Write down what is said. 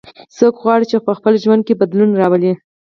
څوک غواړي چې په خپل ژوند کې بدلون راولي